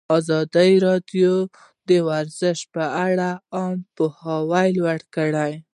ازادي راډیو د ورزش لپاره عامه پوهاوي لوړ کړی.